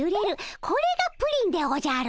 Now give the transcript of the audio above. これがプリンでおじゃる。